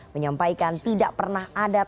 menyampaikan tidak pernah ada tawaran untuk bumn